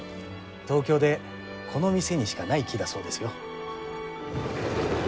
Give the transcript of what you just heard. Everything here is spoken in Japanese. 東京でこの店にしかない木だそうですよ。